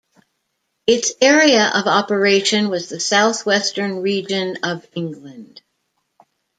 Its area of operation was the south-western region of England.